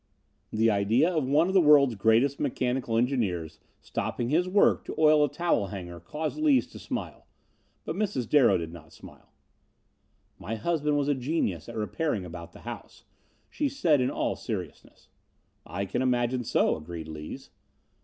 The idea of one of the world's greatest mechanical engineers stopping his work to oil a towel hanger caused Lees to smile, but Mrs. Darrow did not smile. "My husband was a genius at repairing about the house," she said, in all seriousness. "I can imagine so," agreed Lees.